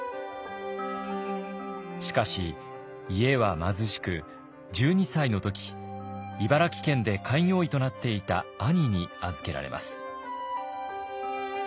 しかし家は貧しく１２歳の時茨城県で開業医となっていた兄に預けられます。